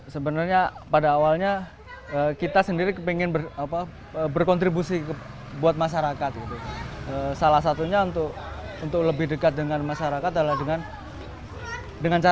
sebenernya pada awalnya kita sendiri pengen berkontribusi buat masyarakat gitu salah satunya untuk lebih dekat dengan masyarakat adalah dengan